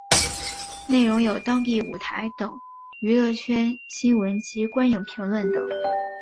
内容有当地舞台等娱乐圈新闻及观影评论等。